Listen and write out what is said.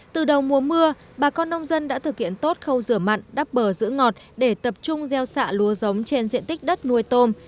từ đầu mùa mưa bà con nông dân đã thực hiện tốt khâu rửa mặn đắp bờ giữ ngọt để tập trung gieo xạ lúa giống trên diện tích đất nuôi tôm